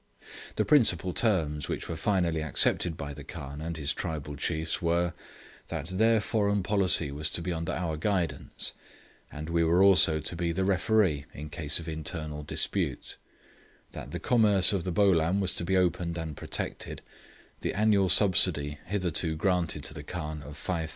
The principal terms which were finally accepted by the Khan and his tribal chiefs were, that their foreign policy was to be under our guidance, and we were also to be the referee in case of internal disputes; that the commerce of the Bolam was to be opened and protected, the annual subsidy hitherto granted to the Khan of 5,000_l_.